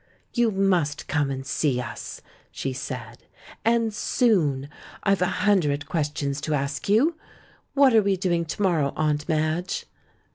"You must come and see us," she said, "and soon ! I've a hundred questions to ask you. What are we doing to morrow. Aunt Madge?"